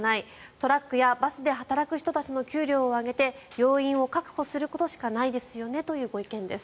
トラックやバスで働く人の給料を上げて要員を確保することしかないですよねというご意見です。